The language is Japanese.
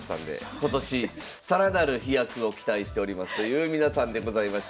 今年更なる飛躍を期待しておりますという皆さんでございました。